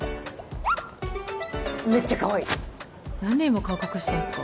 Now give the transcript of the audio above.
めっちゃかわいい何で今顔隠したんすか？